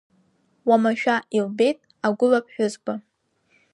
Уамашәа илбеит агәыла ԥҳәызба.